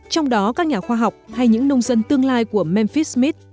trong đó các nhà khoa học hay những nông dân tương lai của memphis mist